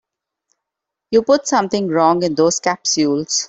You put something wrong in those capsules.